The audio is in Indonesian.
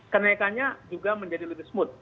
kenaikannya juga menjadi lebih smooth